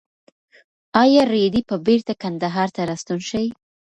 ایا رېدی به بېرته کندهار ته راستون شي؟